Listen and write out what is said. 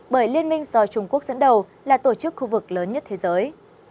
bởi liên minh do trung quốc dẫn đầu là tổ chức khu vực lớn nhất thế giới